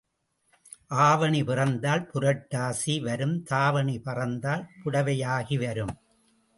ஆவணி பறந்தால் புரட்டாசி வரும் தாவணி பறந்தால் புடைவையாகி வரும்.